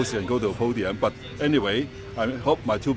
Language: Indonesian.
keselamatan juga menjadi perhatian serius para pembalap dan manajer tim